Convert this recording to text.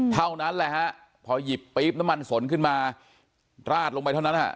เท่านั้นแหละฮะพอหยิบปี๊บน้ำมันสนขึ้นมาราดลงไปเท่านั้นฮะ